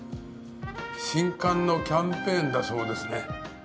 新刊のキャンペーンだそうですね。